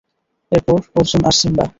এরপরঃ অর্জুন আর সিম্বা!